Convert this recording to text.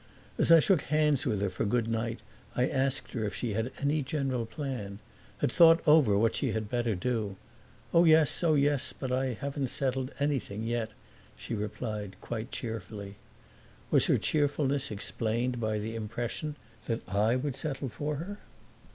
As I shook hands with her for goodnight I asked her if she had any general plan had thought over what she had better do. "Oh, yes, oh, yes, but I haven't settled anything yet," she replied quite cheerfully. Was her cheerfulness explained by the impression that I would settle for her?